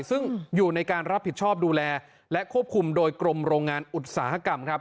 ซึ่งอยู่ในการรับผิดชอบดูแลและควบคุมโดยกรมโรงงานอุตสาหกรรมครับ